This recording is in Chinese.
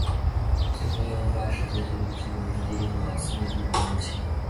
最后约翰八世在位期间还是基本上抵挡住了奥斯曼帝国的入侵。